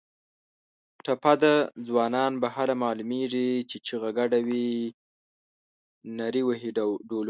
ټپه ده: ځوانان به هله معلومېږي چې چیغه ګډه وي نري وهي ډولونه